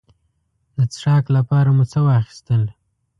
د څښاک لپاره مو څه واخیستل.